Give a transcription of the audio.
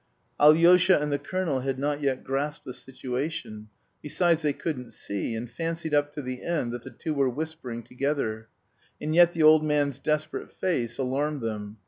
Alyosha and the colonel had not yet grasped the situation, besides they couldn't see, and fancied up to the end that the two were whispering together; and yet the old man's desperate face alarmed them.